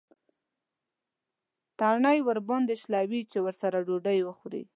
تڼۍ درباندې شلوي چې راسره ډوډۍ وخورې.